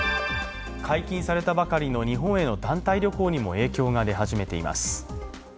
解禁されたばかりの日本への団体旅行にも影響が出始めています。